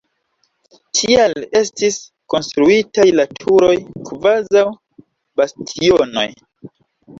Tial estis konstruitaj la turoj kvazaŭ bastionoj.